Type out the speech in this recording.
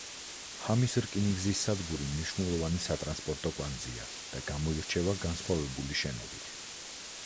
ჰამის რკინიგზის სადგური მნიშვნელოვანი სატრანსპორტო კვანძია და გამოირჩევა განსხვავებული შენობით.